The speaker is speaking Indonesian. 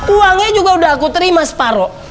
uangnya juga udah aku terima separoh